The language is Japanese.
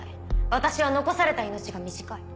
私は残された命が短い。